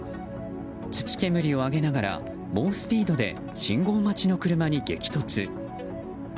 土煙を上げながら猛スピードで信号待ちの車に激突。